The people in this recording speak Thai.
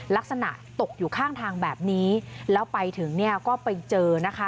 ลักษณะตกอยู่ข้างทางแบบนี้แล้วไปถึงเนี่ยก็ไปเจอนะคะ